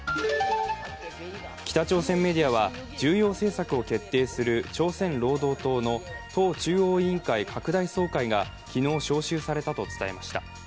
北朝鮮メディアは重要政策を決定する朝鮮労働党の党中央委員会拡大総会が昨日招集されたと伝えました。